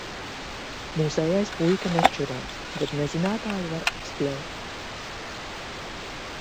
Mūsējais puika nečurā, bet nezinātāju var apspļaut.